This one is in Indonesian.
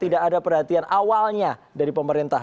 tidak ada perhatian awalnya dari pemerintah